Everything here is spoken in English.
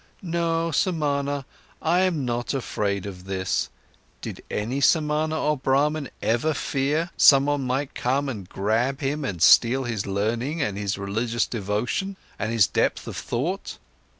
"No, Samana, I am not afraid of this. Did any Samana or Brahman ever fear, someone might come and grab him and steal his learning, and his religious devotion, and his depth of thought?